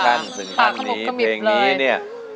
พากระบบกระมิบเลย